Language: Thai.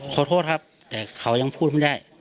ขอโทษครับแต่เขายังพูดไม่ได้